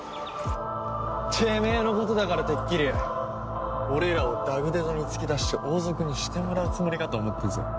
てめえのことだからてっきり俺らをダグデドに突き出して王族にしてもらうつもりかと思ったぜ。